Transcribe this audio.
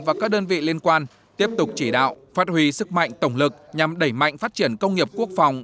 và các đơn vị liên quan tiếp tục chỉ đạo phát huy sức mạnh tổng lực nhằm đẩy mạnh phát triển công nghiệp quốc phòng